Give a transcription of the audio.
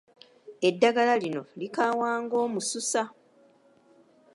Eddagala lino likaawa nga Omususa.